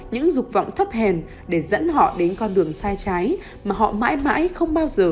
những dục vọng thấp hèn để dẫn họ đến con đường sai trái mà họ mãi mãi không bao giờ